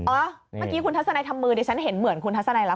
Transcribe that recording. เมื่อกี้คุณทัศนัยทำมือดิฉันเห็นเหมือนคุณทัศนัยแล้ว